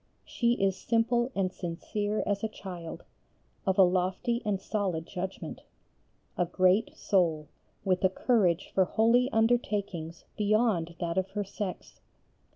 She is simple and sincere as a child, of a lofty and solid judgement. A great soul with a courage for holy undertakings beyond that of her sex.